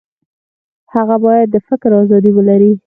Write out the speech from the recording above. هغه باید د فکر ازادي ولري.